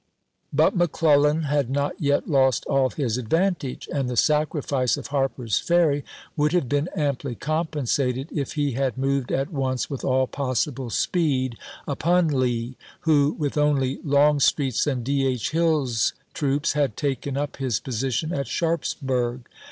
But McClellan had not yet lost all his advan tage; and the sacrifice of Harper's Ferry would have been amply compensated if he had moved at once with all possible speed upon Lee, who, with only Longstreet's and D. H. Hill's troops, had taken up his position at Sharpsburg.